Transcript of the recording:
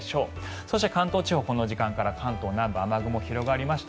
そして関東地方この時間から関東南部雨雲が広がりました。